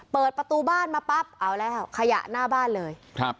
เปิดประตูบ้านมาปั๊บเอาแล้วขยะหน้าบ้านเลยครับ